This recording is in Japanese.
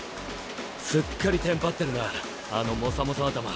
すっかりテンパってるなあのモサモサ頭。